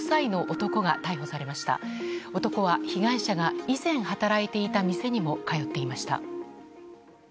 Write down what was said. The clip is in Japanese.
男は、被害者が以前働いていた店にも通っていました。